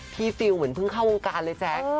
ฟิลเหมือนเพิ่งเข้าวงการเลยแจ๊ค